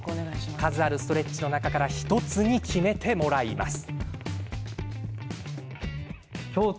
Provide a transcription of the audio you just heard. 数あるストレッチの中から１つに決めてもらいます。